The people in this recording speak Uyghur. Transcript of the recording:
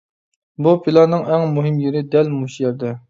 بۇ پىلاننىڭ ئەڭ مۇھىم يېرى دەل مۇشۇ يەردە.